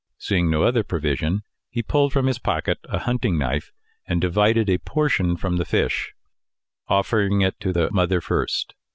Seeing no other provision, he pulled from his pocket a hunting knife, and divided a portion from the fish, offering it to the mother first.